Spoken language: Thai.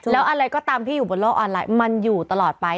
แล้วอะไรก็ตามที่อยู่บนโลกออนไลน์มันอยู่ตลอดไป